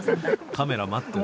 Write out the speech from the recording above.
カメラ待ってた。